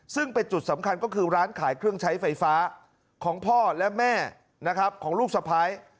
ซึ่งเป็นจุดสำคัญก็คือร้านขายเครื่องใช้ไฟฟ้าของพ่อและแม่นะครับของลูกสะพ้าย